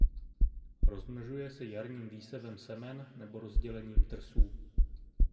Rozmnožuje se jarním výsevem semen nebo rozdělením trsů.